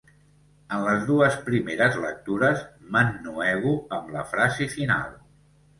En les dues primeres lectures m'ennuego amb la frase final.